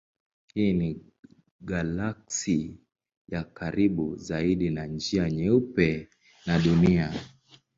Hii ni galaksi ya karibu zaidi na Njia Nyeupe na Dunia.